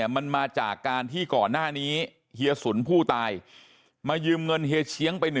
มันมาจากการที่ก่อนหน้านี้เฮียสุนผู้ตายมายืมเงินเฮียเชียงไป๑